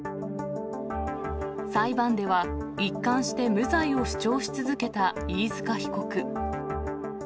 裁判では、一貫して無罪を主張し続けた飯塚被告。